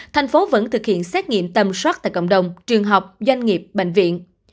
thành phố vẫn thực hiện xét nghiệm tầm soát tại cộng đồng trường học doanh nghiệp bệnh viện